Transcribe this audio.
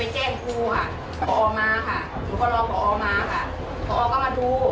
แล้วต้มน้ำร้อยมาล้างค่ะ